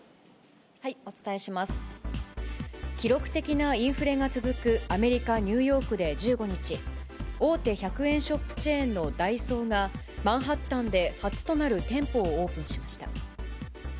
記録的なインフレが続くアメリカ・ニューヨークで１５日、大手１００円ショップチェーンのダイソーが、マンハッタンで初となる店舗をオープンしました。